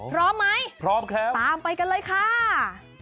ร้อมไหมตามไปกันเลยค่ะพร้อมครับ